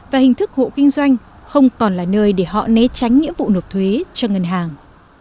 và hình thức hộ kinh doanh không còn là nơi để họ né tránh nghĩa vụ nộp thuế cho ngân hàng